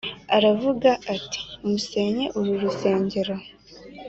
Aravuga ati “musenye uru rusengero”